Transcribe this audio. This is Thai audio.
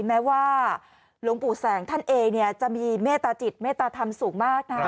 แม้ว่าหลวงปู่แสงท่านเองเนี่ยจะมีเมตตาจิตเมตตาธรรมสูงมากนะ